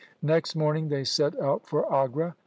Next morning they set out for Agra.